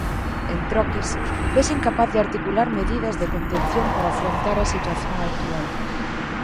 En troques, vese incapaz de articular medidas de contención para afrontar a situación actual.